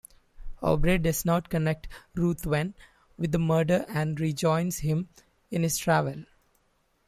Aubrey does not connect Ruthven with the murder and rejoins him in his travels.